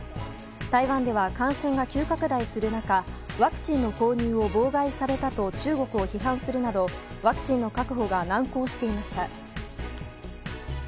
台湾では感染が急拡大する中ワクチンの購入を妨害されたと中国を批判するなどワクチンの確保が難航していました。